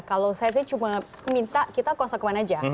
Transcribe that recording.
kalau saya cuma minta kita konsekuen saja